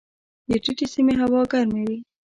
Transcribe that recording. د ټیټې سیمې هوا ګرمې وي.